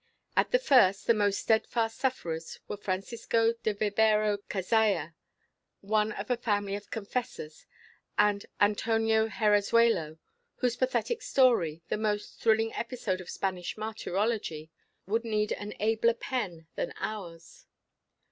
At the first, the most steadfast sufferers were Francisco de Vibero Cazalla, one of a family of confessors; and Antonio Herezuelo, whose pathetic story the most thrilling episode of Spanish martyrology would need an abler pen than ours.